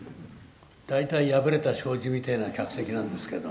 大体破れた障子みてえな客席なんですけど。